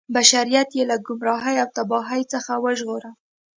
بشریت یې له ګمراهۍ او تباهۍ څخه وژغوره.